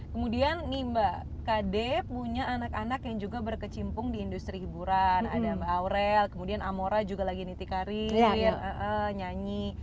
kemudian nih mbak kd punya anak anak yang juga berkecimpung di industri hiburan ada mbak aurel kemudian amora juga lagi niti karir nyanyi